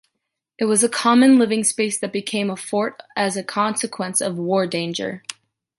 It was a common living space that became a fort as a consequence of war danger.